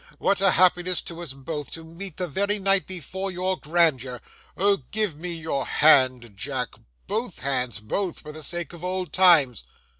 What a happiness to us both, to meet the very night before your grandeur! O! give me your hand, Jack,—both hands,—both, for the sake of old times.